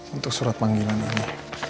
untuk surat panggilan ini